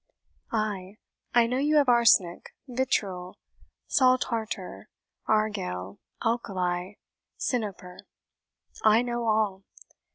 Ay, I know you have arsenic, Vitriol, sal tartre, argaile, alkaly, Cinoper: I know all.